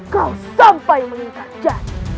kau sampai melintas jati